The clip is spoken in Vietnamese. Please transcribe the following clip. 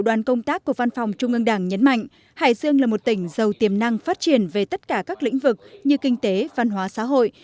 đoàn công tác của văn phòng trung ương đảng nhấn mạnh hải dương là một tỉnh giàu tiềm năng phát triển về tất cả các lĩnh vực như kinh tế văn hóa xã hội